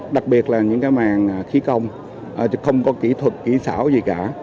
đặc biệt là những màn khí công không có kỹ thuật kỹ xảo gì cả